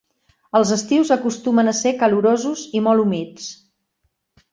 Els estius acostumen a ser calorosos i molt humits.